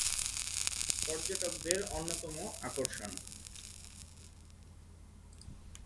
পর্যটকদের অন্যতম আকর্ষণ।